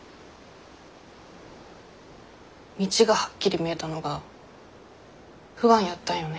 道がはっきり見えたのが不安やったんよね。